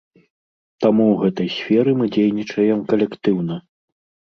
Таму ў гэтай сферы мы дзейнічаем калектыўна.